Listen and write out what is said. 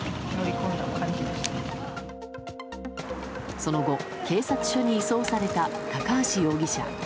その後、警察署に移送された高橋容疑者。